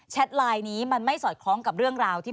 ไลน์นี้มันไม่สอดคล้องกับเรื่องราวที่